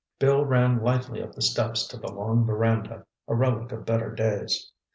Bill ran lightly up the steps to the long veranda, a relic of better days.